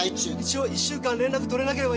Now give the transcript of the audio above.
一応１週間連絡が取れなけれ。